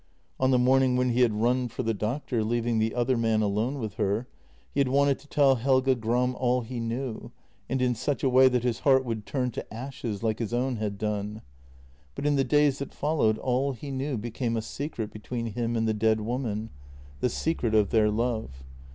On the morning when he had run for the doctor, leaving the other man alone with her, he had wanted to tell Helge Gram all he knew, and in such a way that his heart would turn to ashes like his own had done; but in the days that followed all he knew became a secret be tween him and the dead woman — the secret of their love.